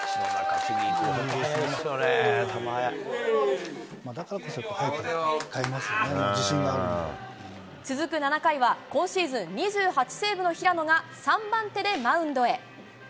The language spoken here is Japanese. これは大きい、続く７回は、今シーズン２８セーブの平野が３番手でマウンドへ。